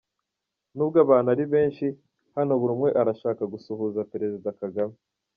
Nubwo abantu ari benshi, hano buri umwe arashaka gusuhuza Perezida Kagame.